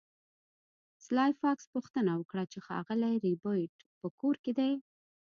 سلای فاکس پوښتنه وکړه چې ښاغلی ربیټ په کور کې دی